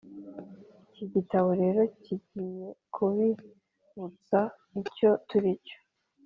iki gitabo rero kigiye kubibutsa icyo turi cyo